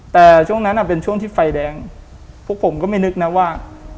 แต่ช่วงนั้นเป็นช่วงที่ไฟแดงพวกผมก็ไม่นึกนะว่า